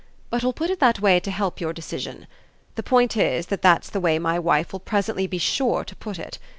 But we'll put it that way to help your decision. The point is that that's the way my wife will presently be sure to put it.